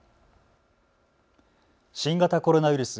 新型コロナウイルス。